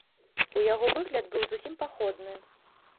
У яго выгляд быў зусім паходны.